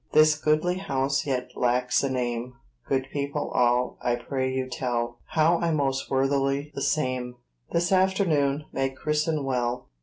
This goodly house yet lacks a name; Good people all, I pray you tell, How I most worthily the same, This afternoon, may christen well.